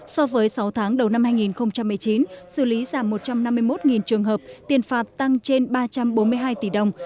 so với sáu tháng đầu năm hai nghìn một mươi chín xử lý giảm một trăm năm mươi một trường hợp tiền phạt tăng trên ba trăm bốn mươi hai tỷ đồng